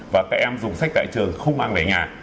và các em dùng sách tại trường không mang về nhà